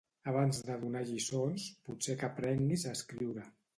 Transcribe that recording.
Abans de donar lliçons, potser que aprenguis a escriure